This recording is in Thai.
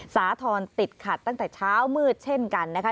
สาธรณ์ติดขัดตั้งแต่เช้ามืดเช่นกันนะคะ